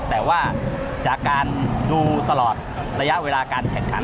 แต่ว่าจากการดูตลอดระยะเวลาการแข่งขัน